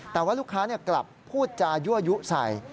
แต่ว่าลูกค้ากลับพูดจายั่วยุใส่